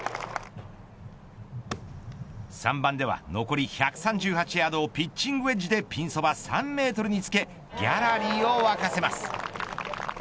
３番では、残り１３８ヤードをピッチングウエッジでピンそば３メートルにつけギャラリーを沸かせます。